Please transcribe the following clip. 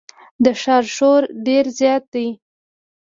د ښار شور ډېر زیات دی.